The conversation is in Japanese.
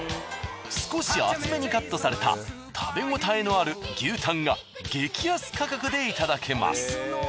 少し厚めにカットされた食べ応えのある牛タンが激安価格でいただけます。